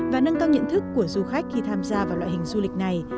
và nâng cao nhận thức của du khách khi tham gia vào loại hình du lịch này